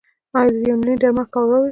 ایا زه یوناني درمل کارولی شم؟